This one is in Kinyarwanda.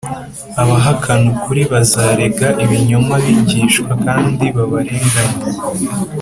abahakana ukuri bazarega ibinyoma abigishwa kandi babarenganye